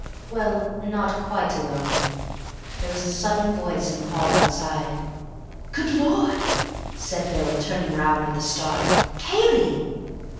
Well, not quite alone. There was a sudden voice in the hall outside. "Good Lord!" said Bill, turning round with a start, "Cayley!"